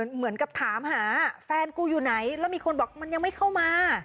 เหมือนกับถามหาแฟนกูอยู่ไหนแล้วมีคนบอกมันยังไม่เข้ามา